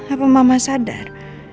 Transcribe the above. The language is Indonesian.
apa mama sadar